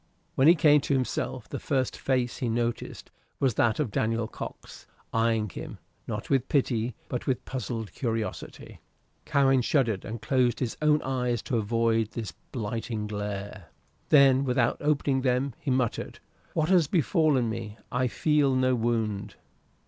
When he came to himself, the first face he noticed was that of Daniel Cox, eying him, not with pity, but with puzzled curiosity. Cowen shuddered and closed his own eyes to avoid this blighting glare. Then, without opening them, he muttered, "What has befallen me? I feel no wound."